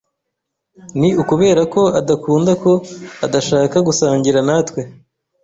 Ni ukubera ko adukunda ko adashaka gusangira natwe.